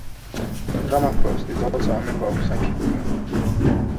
Drummer Frost is also a member of Satyricon.